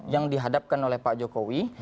yang dihadapkan oleh pak jokowi